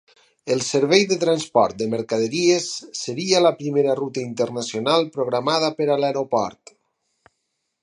El servei de transport de mercaderies seria la primera ruta internacional programada per a l'aeroport.